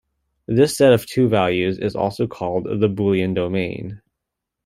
This set of two values is also called the Boolean domain.